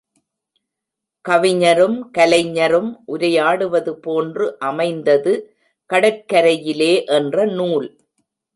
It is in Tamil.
கவிஞரும் கலைஞரும் உரையாடுவது போன்று அமைந்தது கடற்கரையிலே என்ற நூல்.